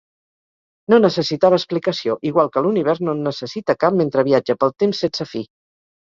No necessitava explicació, igual que l'univers no en necessita cap mentre viatja pel temps sense fi.